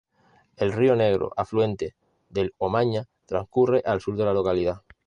El río Negro, afluente del Omaña transcurre al sur de la localidad.